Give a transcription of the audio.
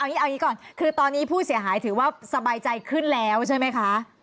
อย่างนี้เอาอย่างนี้ก่อนคือตอนนี้ผู้เสียหายถือว่าสบายใจขึ้นแล้วใช่ไหมคะ